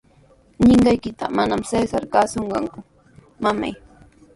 Ninqaykita manami Cesar kaasurqanku, mamay.